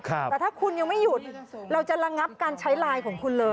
แต่ถ้าคุณยังไม่หยุดเราจะระงับการใช้ไลน์ของคุณเลย